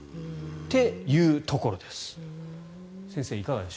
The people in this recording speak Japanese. っていうところです。